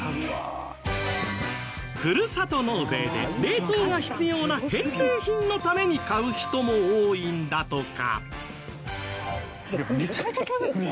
ふるさと納税で冷凍が必要な返礼品のために買う人も多いんだとか。